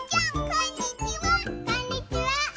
こんにちは！